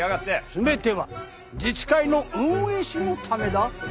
全ては自治会の運営費のためだ。